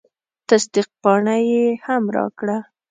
تصدیق پاڼه یې هم راکړه.